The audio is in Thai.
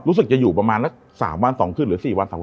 รู้สึกจะอยู่ประมาณสามวันสองคืนหรือสี่วันสอง